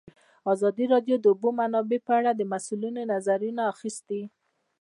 ازادي راډیو د د اوبو منابع په اړه د مسؤلینو نظرونه اخیستي.